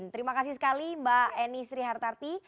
terima kasih sekali mbak eni srihartarti